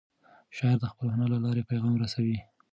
شاعر د خپل هنر له لارې پیغام رسوي.